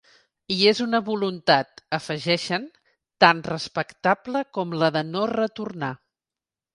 I és una voluntat, afegeixen, ‘tant respectable com la de no retornar’.